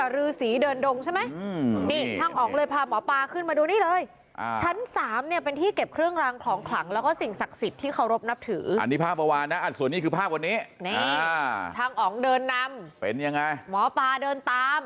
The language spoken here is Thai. รือศรีศิงกับรือศรีเดินดงใช่ไหม